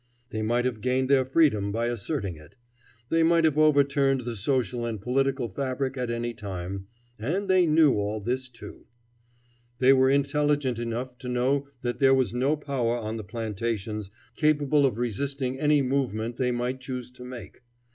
They might have gained their freedom by asserting it. They might have overturned the social and political fabric at any time, and they knew all this too. They were intelligent enough to know that there was no power on the plantations capable of resisting any movement they might choose to make.